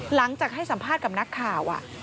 หลังจากให้สัมภาษณ์กับนักข่าว